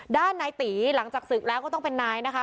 ด้านนายตีหลังจากศึกแล้วก็ต้องเป็นนายนะคะ